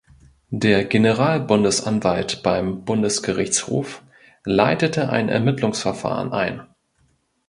Der Generalbundesanwalt beim Bundesgerichtshof leitete ein Ermittlungsverfahren ein.